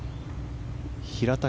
平田